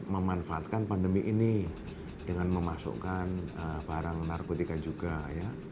memanfaatkan pandemi ini dengan memasukkan barang narkotika juga ya